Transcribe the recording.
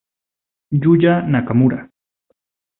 Yuya Nakamura